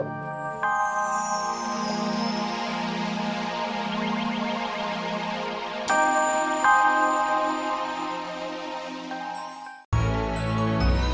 nah tahu gak